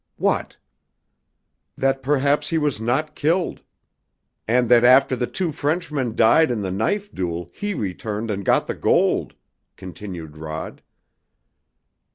"What?" "That perhaps he was not killed." "And that after the two Frenchmen died in the knife duel he returned and got the gold," continued Rod.